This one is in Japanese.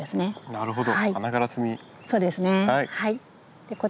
なるほど。